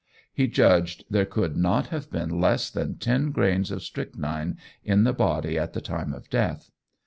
He judged there could not have been less than ten grains of strychnine in the body at the time of death.